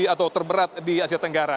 atau terberat di asia tenggara